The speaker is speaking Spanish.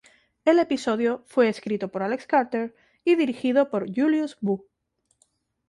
El episodio fue escrito por Alex Carter y dirigido por Julius Wu.